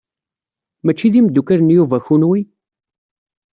Mačči d imeddukal n Yuba kenwi?